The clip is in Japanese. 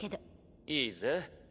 いいぜ。